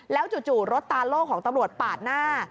แล้วจู่รถตาโล่ของตำรวจปาดหน้า